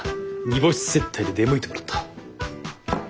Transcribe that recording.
ニボシ接待で出向いてもらった。